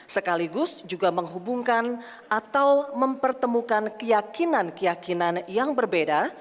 sekaligus juga menghubungkan atau mempertemukan keyakinan keyakinan yang berbeda